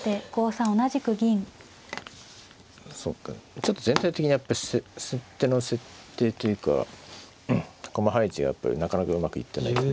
ちょっと全体的にやっぱり先手の設定というか駒配置がやっぱりなかなかうまくいってないですね。